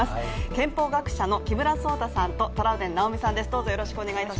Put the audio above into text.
憲法学者の木村草太さんとトラウデン直美さんです。